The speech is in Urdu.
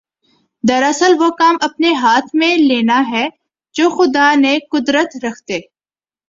دراصل وہ کام اپنے ہاتھ میں لینا ہے جوخدا نے قدرت رکھتے